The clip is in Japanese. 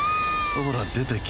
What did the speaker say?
おら出てけ。